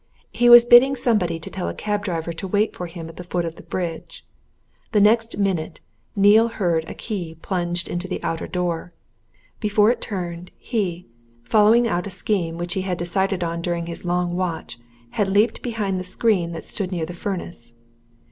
He was bidding somebody to tell a cab driver to wait for him at the foot of the bridge. The next minute, Neale heard a key plunged into the outer door before it turned, he, following out a scheme which he had decided on during his long watch, had leaped behind the screen that stood near the furnace.